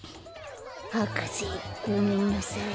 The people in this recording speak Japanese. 博士ごめんなさい。